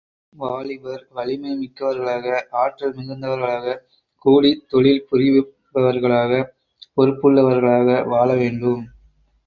வாலிபர் வலிமை மிக்கவர்களாக, ஆற்றல் மிகுந்தவர்களாக, கூடித் தொழில் புரிபவர்களாக, பொறுப்புள்ளவர்களாக வாழ வேண்டும்.